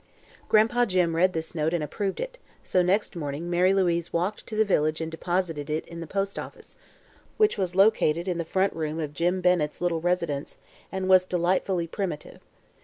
Gran'pa Jim read this note and approved it, so next morning Mary Louise walked to the village and deposited it in the postoffice, which located in the front room of Jim Bennett's little residence and was delightfully primitive.